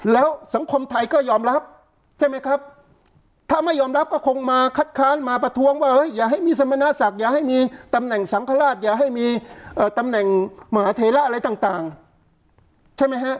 แล้วสังคมไทยก็ยอมรับใช่ไหมครับถ้าไม่ยอมรับก็คงมาคัดค้านมาประท้วงว่าเฮ้ยอย่าให้มีสมณศักดิ์อย่าให้มีตำแหน่งสังฆราชอย่าให้มีตำแหน่งมหาเทระอะไรต่างใช่ไหมฮะ